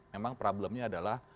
memang problemnya adalah